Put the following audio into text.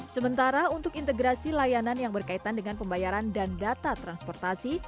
sementara untuk integrasi layanan yang berkaitan dengan pembayaran dan data transportasi